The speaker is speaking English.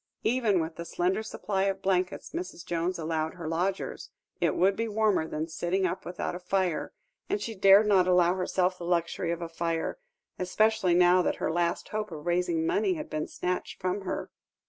Even with the slender supply of blankets Mrs. Jones allowed her lodgers, it would be warmer than sitting up without a fire; and she dared not allow herself the luxury of a fire, especially now that her last hope of raising money had been snatched from her.